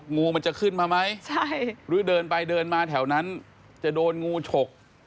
งูมันจะขึ้นมาไหมใช่หรือเดินไปเดินมาแถวนั้นจะโดนงูฉก